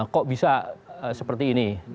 kok bisa seperti ini